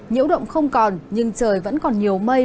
nhiễu động không còn nhưng trời vẫn còn nhiều mây